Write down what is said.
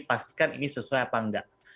pastikan ini sesuai apa enggak